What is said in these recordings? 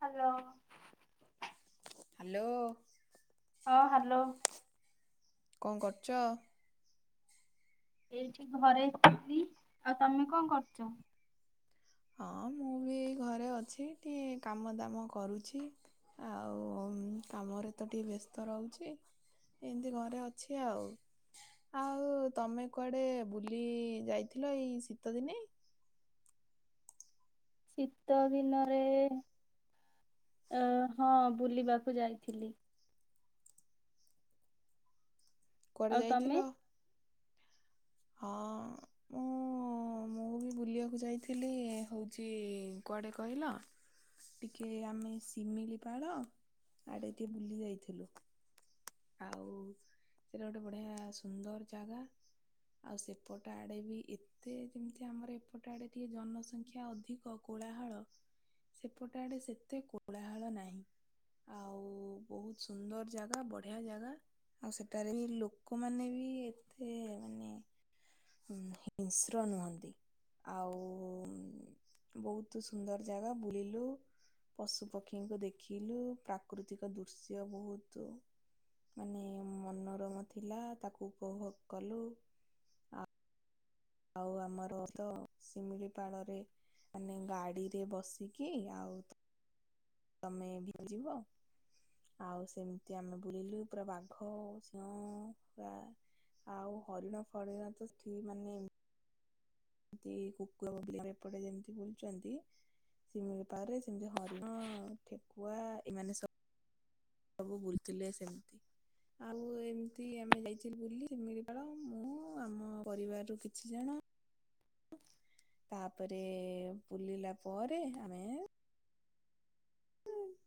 Hello. Hello. ହଁ hello. କଣ କରୁଛ? ଏଇଠି ଘରେ ଥିଲି। ଆଉ ତମେ କଣ କରୁଛ? ହଁ ମୁଁ ବି ଘରେ ଅଛି ଟିକିଏ କାମ ଦାମ କରୁଛି। ଆଉ କାମରେ ତ ଟିକେ ବ୍ୟସ୍ତ ରହୁଛି। ଏଁତି ଘରେ ଅଛି ଆଉ। ଆଉ ତମେ କୁଆଡେ ବୁଲି ଯାଇଥିଲ ଏଇ ଶୀତ ଦିନେ? ଶୀତ ଦିନରେ ଅ ହଁ ବୁଲିବାକୁ ଯାଇଥିଲି। କୁଆଡ଼େ ଯାଇଥିଲ? ହଁ ମୁଁ ମୁଁ ବି ବୁଲିବାକୁ ଯାଇଥିଲି ହୋଉଚି କୁଆଡେ କହିଲ ଟିକେ ଆମେ ସିମିଲିପାଳ ଆଡେ ଟିକେ ବୁଲି ଯାଇଥିଲୁ। ଆଉ ସେଟା ଗୋଟେ ବଢିଆ ସୁନ୍ଦର୍ ଜାଗା। ଆଉ ସେପଟ ଆଡ଼େ ବି ଏ ତେ ଯେମିତି ଆମର ଏପଟେ ଆଡେ ଟିକେ ଜନସଂଖ୍ୟା ଅଧିକ କୋଳାହଳ। ସେପଟେ ଆଡେ ସେତେ କୋଳାହଳ ନାହିଁ। ଆଉ ବୋହୁତ୍ ସୁନ୍ଦର୍ ଜାଗା ବ ଢିଆ ଜାଗା ଆଉ ସେଠାରେ ବି ଲୋକମାନେ ବି ଏତେ ମାନେ ହଁ ହିଂସ୍ର ନୁହନ୍ତି [unintelligible] ଆଉ ବୋହୁତୁ ସୁନ୍ଦର୍ ଜାଗା ବୁଲିଲୁ। ପଶୁ ପକ୍ଷୀଙ୍କୁ ଦେଖିଲୁ ପ୍ରାକୃତିକ ଦୃଶ୍ୟ ବୋହୁତୁ। ମାନେ ମନୋରମ ଥିଲା ତାକୁ ଉପଭୋଗ କଲୁ। ଆଉ ଆମର ତ ଶିମିଳିପାଳରେ ମାନେ ଗାଡ଼ିରେ ବସିକି ଆଉ ତମେ ଭି ଯିବ। ଆଉ ସେମତି ଆମେ ବୁଲିଲୁ ପୁରା ବାଘ ସିଂହ ପୁରା ଆଉ ହରିଣ ଫରିଣ ତ ଠି ମାନେ ନ୍ତି କୁକୁର ଆମେ ଏପଟେ ଯେମତି ବୁଲଚନ୍ତି ଶିମିଳିପାଳରେ ସେମତି ହରିଣ ଠେକୁଆ ଏମାନେ ସ ଅବୁ ବୁଲଥୁଲେ ସେମତି। ଆଉ ଏମ୍ତି ଆମେ ଯାଇଥିଲୁ ବୁଲି ଶିମିଳିପାଳ ମୁଁ ଆମ ପରିବାରରୁ କିଛି ଜଣ। ତାପରେ ବୁଲିଲା ପରେ ଆମେ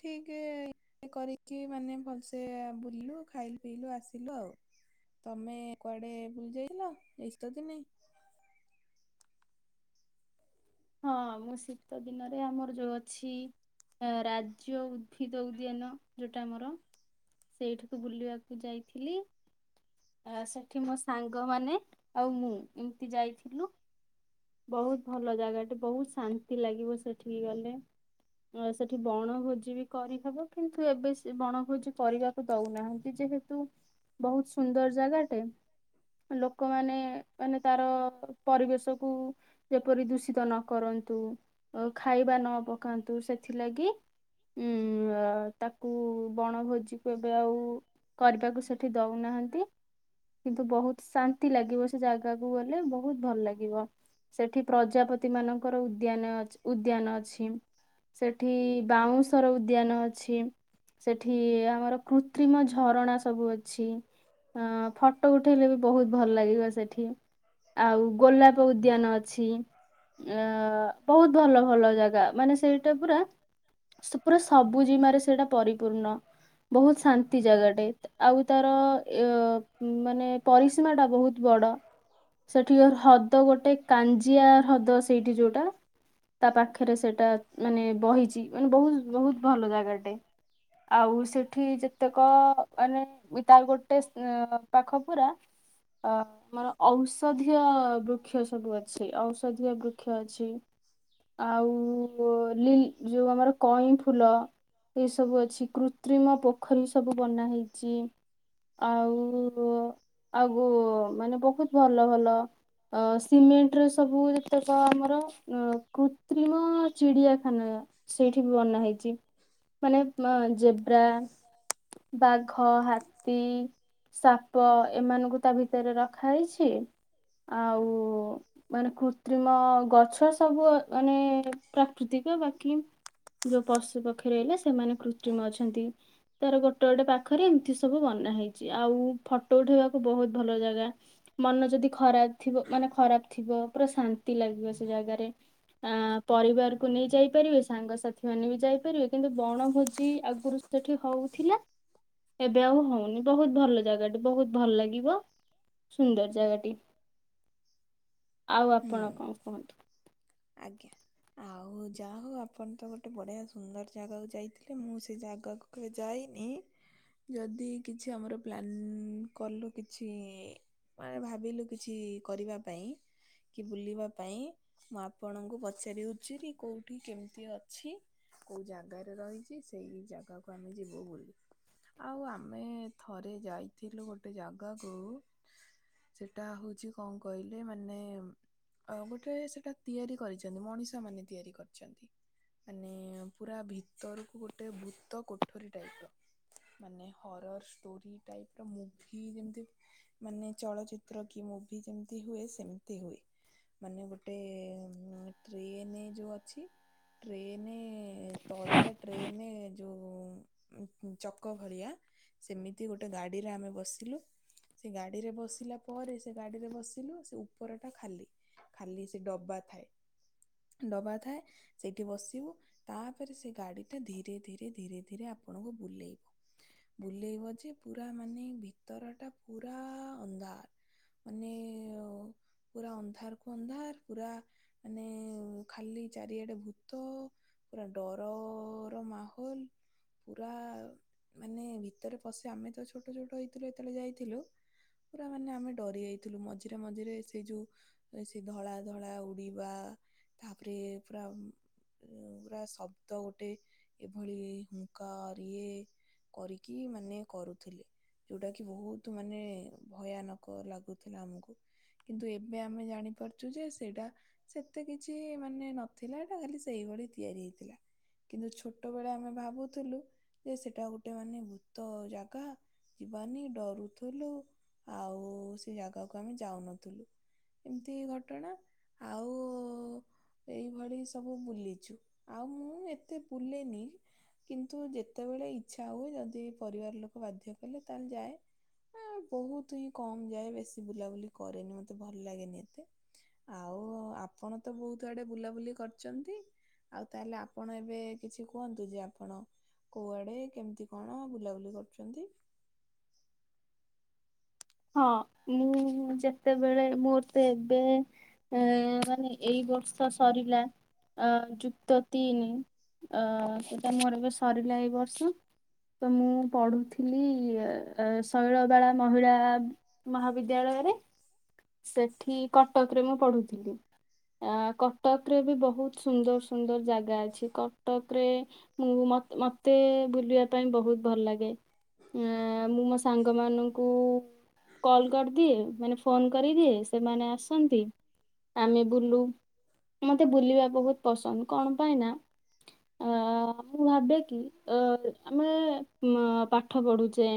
ଠିକି କରିକି ମାନେ ଭଲ୍ସେ ବୁଲିଲୁ ଖାଇଲୁ ପିଇଲୁ ଆସିଲୁ ଆଉ। ତମେ କୁଆଡେ ବୁଲି ଯାଇଲଥିଲ ଏଇ ଶୀତ ଦିନେ? ହଁ ମୁଁ ଶୀତ ଦିନରେ ଆମର ଯୋଉ ଅଛି ରାଜ୍ୟ ଉଦ୍ଭିଦ ଉଦ୍ୟାନ ଯୋଉଟା ଆମର। ସେଇଠୁକୁ ବୁଲିବାକୁ ଯାଇଥିଲି। ଆ ସେଠି ମୋ ସାଙ୍ଗମାନେ ଆଉ ମୁଁ ଏମ୍ତି ଯାଇଥିଲୁ। ବୋହୁତ୍ ଭଲ ଜାଗା ଟେ ବୋହୁତ୍ ଶାନ୍ତି ଲାଗିବ ସେଠିକି ଗଲେ। ଅଁ ସେଠି ବଣଭୋଜି ବି କରିହବ କିନ୍ତୁ ଏବେ ସେ ବଣଭୋଜି କରିବା ଦଉନାହାନ୍ତି ଯେହେତୁ ବହୁତ୍ ସୁନ୍ଦର୍ ଜାଗାଟେ। ଲୋକମାନେ ମାନେ ତାର ପରିବେଶ କୁ ଯେପରି ଦୂଷିତ ନ କରନ୍ତୁ ଖାଇବା ନ ପକାନ୍ତୁ ସେଥିଲାଗି ଉଁ ତାକୁ ବଣ ଭୋଜି କେବେ ଆଉ କରିବାକୁ ସେଠି ଦଉନାହାନ୍ତି। କିନ୍ତୁ ବହୁତ ଶାନ୍ତି ଲାଗିବ ସେ ଜାଗାକୁ ଗଲେ ବହୁତ ଭଲ ଲାଗିବ। ସେଠି ପ୍ରଜାପତିମାନଙ୍କର ଉଦ୍ୟାନ ଅଛ୍ ଉଦ୍ୟାନ ଅଛି। ସେଠି ବାଉଁଶର ଉଦ୍ୟାନ ଅଛି। ସେଠି ଆମର କୃତ୍ରିମ ଝରଣା ସବୁ ଅଛି। ଆ ଫଟୋ ଉଠେଇଲେ ବି ବହୁତ ଭଲ ଲାଗିବ ସେଠି। ଆଉ ଗୋଲାପ ଉଦ୍ୟାନ ଅଛି। ଅଛି। ଆ ବହୁତ ଭଲ ଭଲ ଜାଗା। ମାନେ ସେଇଟା ପୁରା ପୁରା ସବୁ ଜିମାରେ ସେଟା ପରିପୂର୍ଣ୍ଣ ବହୁତ ଶାନ୍ତି ଜାଗାଟେ। ଆଉ ତାର ୟ ମାନେ ପରିସୀମା ଟା ବହୁତ ବଡ। ସେଠିକା ହ୍ରଦ ଗୋଟେ କାଞ୍ଜିଆ ହ୍ରଦ ସେଇଠି ଯୋଉଟା? ତା ପାଖରେ ସେଇଟା ମାନେ ବହିଛି। ମାନେ ବୋହୁତ ବୋହୁତ ଭଲ ଜାଗାଟେ। ଆଉ ସେଠି ଯେତେକ ମାନେ [inaudible] ଗୋଟେ ପାଖ ପୁରା ଆ ଆମର ଔଷଧୀୟ ବୃକ୍ଷ ସବୁ ଅ ଛି। ଔଷଧୀୟ ବୃକ୍ଷ ଅଛି। ଆଉ ଲି ଯୋଉ ଆମର କଇଁ ଫୁଲ, ଏ ସବୁ ଅଛି। କୃତ୍ରିମ ପୋଖରୀ ସବୁ ବନା ହେଇଛି। ଆଉ ଆଗୁ ଆଉ ମାନେ ବହୁତ ଭଲ ଭଲ ଆ ସିମେଣ୍ଟ ରେ ସବୁ ଯେତେକ ଆମର ଆ କୃତ୍ରିମ ଚିଡିଆଖାନା। ସେଇଠି ବି ବନା ହେଇଛି। ମାନେ ମ ଜେବ୍ରା। ବାଘ, ହାତୀ ସାପ ଏମାନଙ୍କୁ ତା ଭିତରେ ରଖା ହେଇଛି। ଆଉ ମାନେ କୃତ୍ରିମ ଗଛ ସବୁ ମାନେ ପ୍ରାକୃତିକ। ବାକି ଯୋଉ ପଶୁ ପକ୍ଷୀ ରହିଲେ ସେମାନେ କୃତ୍ରିମ ଅଛନ୍ତି। ତାର ଗୋଟେ ଗୋଟେ ପାଖରେ ଏମିତି ସବୁ ବନା ହେଇଛି। ଆଉ ଫଟୋ ଉଠେଇବାକୁ ବହୁତ ଭଲ ଜାଗା। ମନ ଯଦି ଖରା ଥିବ ମାନେ ଖରାପ ଥିବ ପୁରା ଶାନ୍ତି ଲାଗିବ ସେ ଜାଗାରେ। ଆ ପରିବାରକୁ ନେଇ ଯାଇପାରିବେ। ସାଙ୍ଗସାଥି ମାନେ ବି ଯାଇପାରିବେ। କିନ୍ତୁ ବଣଭୋଜି ଆଗରୁ ସେଠି ହଉଥିଲା! ଏବେ ଆଉ ହଉନି। ବହୁତ ଭଲ ଜାଗାଟି ବହୁତ ଭଲ ଲାଗିବ। ସୁନ୍ଦର ଜାଗାଟି। ଆଉ ଆପଣ କଣ କୁହନ୍ତୁ? ଆଜ୍ଞା। ଆଉ ଯାହା ହଉ ଆପଣ ତ ଗୋଟେ ବଢିଆ ସୁନ୍ଦର ଜାଗାକୁ ଯାଇଥିଲେ। ମୁଁ ସେଇ ଜାଗାକୁ କୁ ଯାାଇନି। ଯଦି କିଛି ଆମର ପ୍ଲାନ୍ କଲୁ କିଛି ମାନେ ଭାବିଲୁ କିଛି କରିବା ପାଇଁ କି ବୁଲିବା ପାଇଁ? ମୁଁ ଆପଣ ଆପଣଙ୍କୁ ପଚାରିଉଚୁରି କୋଉଠି କେମିତି ଅଛି? କେଉଁ ଜାଗାରେ ରହିଛି ସେଇ ଜାଗାକୁ ଆମେ ଯିବୁ ବୋଲି। ଆଉ ଆମେ ଥରେ ଯାଇଥିଲୁ ଗୋଟେ ଜାଗାକୁ! ସେଟା ହଉଛି କଣ କହିଲେ ମାନେ ଆ ଗୋଟେ ସେଟା ତିଆରି କରିଛନ୍ତି। ମଣିଷ ମାନେ ତିଆରି କରିଛନ୍ତି। ମାନେ ପୁରା ଭିତରକୁ ଗୋଟେ ଭୂତ କୋଠରୀ ଟାଇପ ର। ମାନେ ହରର ଷ୍ଟୋରି ଟାଇପ ର ମୁଭି ଯେମିତି ମାନେ ଚଳଚିତ୍ର କି ମୁଭି ଯେମିତି ହୁଏ, ସେମତି ହୁଏ। ମାନେ ଗୋଟେ ଟ୍ରେନ ଯୋଉ ଅଛି ଟ୍ରେନ ତଳ ଟା ଟ୍ରେନ ଯୋଉ ଚକ ଭଳିଆ। ସେମିତି ଗୋଟେ ଗାଡିରେ ଆମେ ବସିଲୁ। ସେ ଗାଡିରେ ବସିଲା ପରେ ସେ ଗାଡିରେ ବସିଲୁ। ସେ ଉପରଟା ଖାଲି। ଖାଲି ସେ ଡବା ଥାଏ। ଡବା ଥାଏ। ସେଇଠି ବସିବୁ। ତାପରେ ସେ ଗାଡି ଟା ଧୀରେ ଧୀରେ ଧୀରେ ଧୀରେ ଆପଣଙ୍କୁ ବୁଲେଇବ। ବୁଲେଇବ ଯେ ପୁରା ମାନେ ଭିତର ଟା ପୁରା ଅନ୍ଧାର। ମାନେ ପୁରା ଅନ୍ଧାରକୁ ଅନ୍ଧାର ପୁରା ମାନେ ଖାଲି ଚାରିଆଡେ ଭୂତ। ପୁରା ଡରର ମାହୋଲ। ପୁରା ମାନେ ଭିତରେ ପଶି ଆମେ ତ ଛୋଟୋ ଛୋଟୋ ହେଇଥିଲୁ ଯେତୋବୋଳେ ଯାଇଥିଲୁ। ପୁରା ମାନେ ଆମେ ଡରି ଯାଇଥିଲୁ ମଝିରେ ମଝିରେ ସେଇ ଯୋଉ ସେ ଧଳା ଧଳା ଉ ପିବା ତାପରେ ପୁରା ଉଁ ପୁରା ଶବ୍ଦ ଗୋଟେ ଏଭଳି ହୁଙ୍କାର ଇଏ କରିକି ମାନେ କରୁଥୁଲେ। ଯୋଉଡ଼ା କି ବୋହୁତ ମାନେ ଭୟାନକ ଲାଗୁଥୁଲା ଆମୁକୁ। କିନ୍ତୁ ଏବେ ଆମେ ଜାଣିପାରୁଚୁ ଯେ ସେଇଡ଼ା ସେତେ କିଛି ମାନେ ନଥିଲା। ଏଟା ଖାଲି ସେଇଭଳି ତିଆରି ହେଇଥିଲା। କିନ୍ତୁ ଛୋଟୋ ବୋଳେ ଆମେ ଭାବୁଥୁଲୁ ଯେ ସେଟା ଗୋଟେ ମାନେ ଭୂତ ଜାଗା ଯିବାନି ଡରୁଥୁଲୁ ଆଉ ସେ ଜାଗାକୁ ଆମେ ଯାଉନଥୁଲୁ। ଏମିତି ଘଟଣା ଆଉ ଏଇଭଳି ସବୁ ବୁଲିଛୁ ଆଉ ମୁଁ ଏତେ ବୁଲେନି। କିନ୍ତୁ ଯେତେବେଳେ ଇଚ୍ଛା ହୁଏ ଯଦି ପରିବାର ଲୋକୋ ବାଧ୍ୟ କଲେ ତାହେଲେ ଯାଏ। ଆଁ ବୋହୁତ ହିଁ କମ ଯାଏ ବେଶୀ ବୁଲାବୁଲି କରେନି ମତେ ଭଲ ଲାଗେନି ଏତେ। ଆଉ ଆପଣ ତ ବୋହୁତ ଆଡେ ବୁଲାବୁଲି କରିଚନ୍ତି। ଆଉ ତାହେଲେ ଆପଣ ଏବେ କିଛି କୁହନ୍ତୁ ଯେ ଆପଣ କୋଉଆଡ଼େ କେମିତି କଣ ବୁଲାବୁଲି କରୁଚନ୍ତି? ହଁ ମୁଁ ଯେତେବେଳେ ମୋର ତ ଏବେ ଏଁ ମାନେ ଏଇ ବର୍ଷ ସରିଲା। ଆଁ ଯୁକ୍ତ ତିନି ଅଁ ସେଟା ମୋରୋ ଏବେ ସରିଲା ଏଇ ବର୍ଷ। ତ ମୁଁ ପଢୁଥିଲି ଏଁ ଏ ଶୈଳବାଳା ମହିଳା ମହାବିଦ୍ୟାଳୟରେ ସେଠି କଟକରେ ମୁଁ ପଢୁଥିଲି। ଆଁ କଟକରେ ବି ବୋହୁତ ସୁନ୍ଦର ସୁନ୍ଦର ଜାଗା ଅଛି। କଟକରେ ମୁଁ ମତେ ମତେ ବୁଲିବା ପାଇଁ ବୋହୁତ ଭଲ ଲାଗେ। ଉଁଆଁ ମୁଁ ମୋ ସାଙ୍ଗ ମାନଙ୍କୁ କଲ୍ କରିଦିଏ ମାନେ ଫୋନ୍ କରିଦିଏ ସେମାନେ ଆସନ୍ତି ଆମେ ବୁଲୁ। ମତେ ବୁଲିବା ବୋହୁତ ପସନ୍ଦ କଣ ପାଇଁ ନା ଆଁ ମୁଁ ଭାବେ କି ଅର ଆମେ ଉଁମ ପାଠ ପଢୁଚେ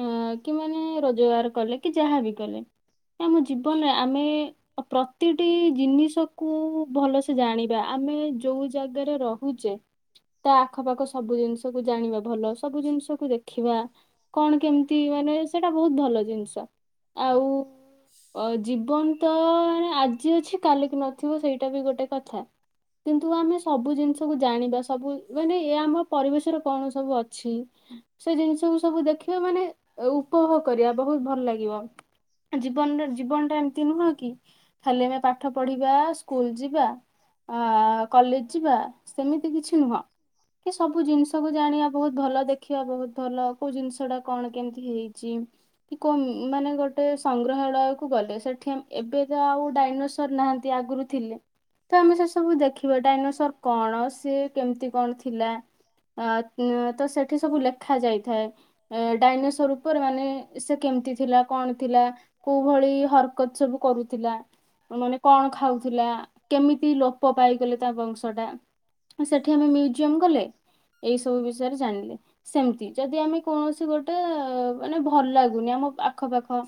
ଏଁଆ କି ମାନେ ରୋଜଗାର କଲେ କି ଯାହାବି କଲେ ଏଁ ଆମ ଜୀବନରେ ଆମେ ଅଁ ପ୍ରତି ଟି ଜିନିଷ କୁ ଭଲସେ ଜାଣିବା ଆମେ ଯୋଉ ଜାଗାରେ ରହୁଚେ। ତା ଆଖପାଖ ସବୁ ଜିନିଷକୁ ଜାଣିବା ଭଲ ସବୁ ଜିନିଷକୁ ଦେଖିବା। କଣ କେମିତି ମାନେ ସେଇଟା ବୋହୁତ ଭଲ ଜିନିଷ। ଆଉ ଅ ଜୀବନ ତ ମାନେ ଆଜି ଅଛି କାଲିକି ନଥିବ ସେଇଟା ବି ଗୋଟେ କଥା। କିନ୍ତୁ ଆମେ ସବୁ ଜିନିଷକୁୁ ଜାଣିବା। ସବୁ ମାନେ ଏୟା ଆମ ପରିବେଶରେ କଣ ସବୁ ଅଛି। ସେ ଜିନିଷକୁୁ ସବୁ ଦେଖିବା ମାନେ ଏ ଉପଭୋଗ କରିବା ବୋହୁତ ଭଲ ଲାଗିବ। ଆ ଜୀବନରେ ଜୀବନଟା ଏମିତି ନୁହଁ କି ଖାଲି ଆମେ ପାଠ ପଢିବା। ସ୍କୁଲ ଯିବା। ଆ କଲେଜ ଯିବା। ସେମିତି କିଛି ନୁହଁ। କି ସବୁ ଜିନିଷକୁୁ ଜାଣିବା ବୋହୁତ ଭଲ ଦେଖିବା ବୋହୁତ ଭଲ କୋଉ ଜିନିଷ ଟା କଣ କେମିତି ହେଇଚି। କି କୋଉ ଉଁ ମାନେ ଗୋଟେ ସଂଗ୍ରହାଳୟକୁ ଗଲେ। ସେଠି ଆମ୍ ଏବେ ତ ଆଉ ଡାଇନୋସର୍ ନାହାନ୍ତି ଆଗୁରୁ ଥିଲେ। ତ ଆମେ ସେ ସବୁ ଦେଖିବା ଡାଇନୋସର୍ କଣ? ସିଏ କେମିତି କଣ ଥିଲା? ଆଁ ଉଁ ତ ସେଠି ସବୁ ଲେଖା ଯାଇଥାଏ। ଏ ଡାଇନେସର୍ ଉପରେ ମାନେ ସେ କେମିତି ଥିଲା କଣ ଥିଲା କୋଉ ଭଳି ହରକତ୍ ସବୁ କରୁଥିଲା। ମାନେ କଣ ଖାଉଥୁଲା କେମିତି ଲୋପୋ ପାଇଗଲେ ତା ବଂଶ ଟା। ହଁ ସେଠି ଆମେ ମ୍ୟୁଜିୟମ ଗଲେ। ଏଇ ସବୁ ବିଷୟରେ ଜାଣିଲେ ସେମିତି ଯଦି ଆମେ କୌଣସି ଗୋଟେ ମାନେ ଭ ଭଲ ଲାଗୁନି ଆମ ଆଖପାଖ।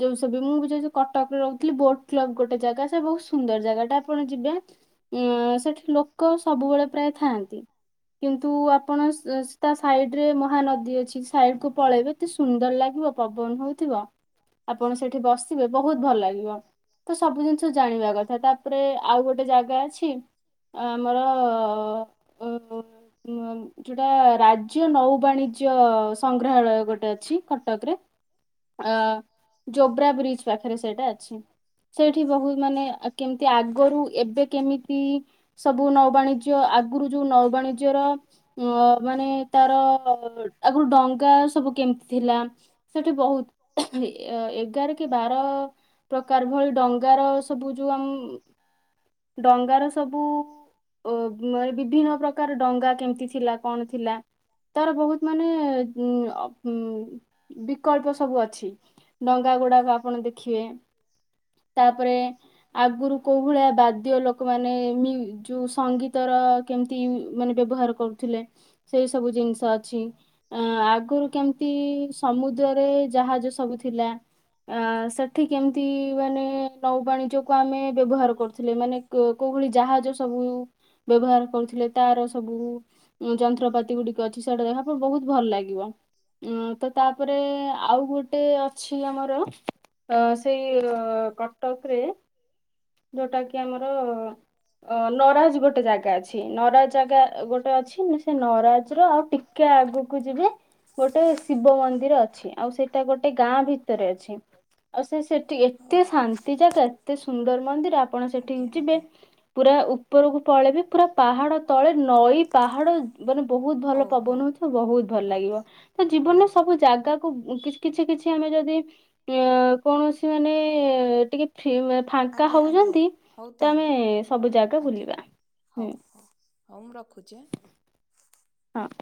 ଯୋଉ ସବି ମୁଁ ବି [unintelligible] କଟକରେ ରୋହୁଥିଲି ବୋଟ କ୍ଲବ ଗୋଟେ ଜାଗା ସେ ବୋହୁତ ସୁନ୍ଦର ଜାଗାଟା ଆପଣ ଯିବେ। ଉଁ ସେଠି ଲୋକୋ ସବୁବେଳେ ପ୍ରାୟ ଥାଆନ୍ତି। କିନ୍ତୁ ଆପଣ ତା ସାଇଡ ରେ ମହାନଦୀ ଅଛି ସାଇଡ କୁ ପଳେଇବେତେ ସୁ ଡର ଲାଗିବ ପବନ ହଉଥିବ। ଆପଣ ସେଠି ବସିବେ ବହୁତ ଭଲ ଲାଗିବ ତ ସବୁ ଜିନିଷ ଜାଣିବା କଥା ତା ତାପରେ ଆଉ ଗୋଟେ ଜାଗା ଅଛି ଆମର ଅ ଛୋଟା ରାଜ ରାଜ୍ୟ ନୌ ବାଣିଜ୍ୟ ସଂଗ୍ରହାଳୟ ଗୋଟେ ଅଛି କଟକରେ ଜୋବ୍ରା ବ୍ରିଜ ପାଖରେ ସେଇଟା ଅଛି। ସେଇଠି ବହୁତ ମାନେ କେମିତି ଆଗରୁ ଏବେ କେମିତି ସବୁ ନୌବାଣିଜ୍ୟ ଆଗରୁ ଯୋଉ ନୌବାଣିଜ୍ୟର ଅ ମାନେ ତାର ଆଗରୁ ଡଙ୍ଗା ସବୁ କେମିତି ଥିଲା ସେଠି ବହୁତ ଏଗାର କି ବାର ପ୍ରକାର ଭଳି ଡଙ୍ଗାର ସବୁ ଯୋଉ ଆମ-ଡଙ୍ଗାର ସବୁ ଓ ମ ବିଭିନ୍ନ ପ୍ରକାର ଡଙ୍ଗା କେମିତି ଥିଲା କଣ ଥିଲା ତାର ବହୁତ ମାନେ ଉ ହୁଁ ବିକଳ୍ପ ସବୁ ଅଛି ଡଙ୍ଗା ଗୁଡାକ ଆପଣ ଦେଖିବେ ତାପରେ ଆଗରୁ କୋଉ ଭଳିଆ ବାଦ୍ୟ ଲୋକମାନେ ଯୋଉ ମ୍ୟୁଜ- ଯୋଉ ସଙ୍ଗୀତ ତର କେମିତି ମାନେ ବ୍ୟବହାର କରୁଥିଲେ। ସେଇ ସବୁ ଜିନିଷ ଅଛି ଆ- ଆଗରୁ କେମତି ସମୁଦ୍ରରେ ଜାହାଜ ସବୁ ଥିଲା। ଅ ସେଠି କେମିତି ମାନେ ନୌବାଣିଜ୍ୟକୁ ଆମେ ବ୍ୟବହାର କରୁଥିଲେ ମାନେ କୋଉ ଭଳି ଜାହାଜ ସବୁ ବ୍ୟବହାର କରୁଥିଲେ ତାର ସବୁ ଯନ୍ତ୍ରପାତି ଗୁଡିକ ଅଛି ସେଇଟା ଦେଖପ ବହୁତ ଭଲ ଲାଗିବ। ଅ ତ ତାପରେ ଆଉ ଗୋଟେ ଅଛି ଆମର ଅ ସେଇ କଟକ ରେ ଯୋଉଟା କି ଆମର ନରାଜ ଗୋଟେ ଜାଗା ଅଛି ନରାଜ ଜାଗା ଗୋଟେ ଅଛି ସେ ନରାଜର ଆଉ ଟିକେ ଆଗକୁ ଯିବେ ଗୋଟେ ଶିବ ମନ୍ଦିର ଅଛି ଆଉ ସେଇଟା ଗୋଟେ ଗାଁ ଭିତରେ ଅଛି। ଆଉ ସେ ସେଠି ଏତେ ଶାନ୍ତି ଜାଗା ଏତେ ସୁନ୍ଦର ମନ୍ଦିର ଆପଣ ସେଠିକି ଯିବେ ପୁରା ଉପରକୁ ପଳେଇବେ ପୁରା ପାହାଡ଼ ତଳେ ନଈ ପାହାଡ଼ ମାନେ ବହୁତ ଭଲ ପବନ ହଉଥିବ ବହୁତ ଭଲ ଲାଗିବ ତ ଯିବନା ସବୁ ଜାଗା କିଛି କିଛି କିଛି ଆମେ ଯଦି ଅ-କୌଣସି ମାନେ ଟିକେଫ ଫାଙ୍କା ହଉଛନ୍ତି ତ ଆମେ ସବୁ ଜାଗା ବୁଲିବା ହୁଁ। ହଉ ମୁଁ ରଖୁଛି। ହଁ।